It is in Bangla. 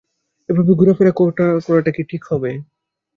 এভাবে ঘোরাফেরা করাটা কি ঠিক হবে?